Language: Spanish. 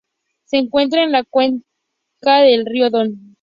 Se encuentra en la cuenca del río Don.